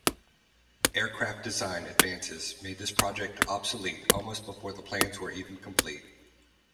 Aircraft design advances made this project obsolete almost before the plans were even complete.